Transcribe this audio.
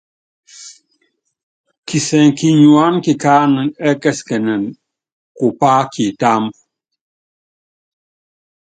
Kisɛŋɛ kinyuáná kikánɛ ɛ́kɛsikɛnɛnɛ kupá kitáámbú.